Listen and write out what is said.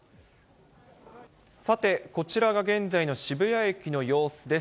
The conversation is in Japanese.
さて、こちらが現在の渋谷駅の様子です。